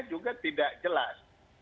juga tidak jelas